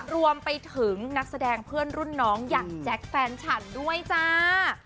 รวมไปถึงนักแสดงเพื่อนรุ่นน้องอย่างแจ๊คแฟนฉันด้วยจ้า